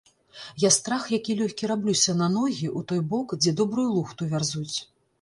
Я страх які лёгкі раблюся на ногі ў той бок, дзе добрую лухту вярзуць.